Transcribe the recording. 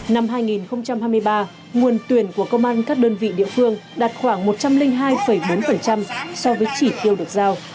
năm hai nghìn hai mươi ba nguồn tuyển của công an các đơn vị địa phương đạt khoảng một trăm linh hai bốn so với chỉ tiêu được giao